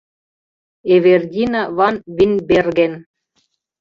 ЭВЕРДИНА ВАН-ВИНБЕРГЕН